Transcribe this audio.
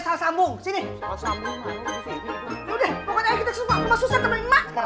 yaudah pokoknya kita ke rumah susan temenin emak